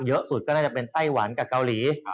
สุดก็น่าจะเป็นไต้หวันกับเกาหลี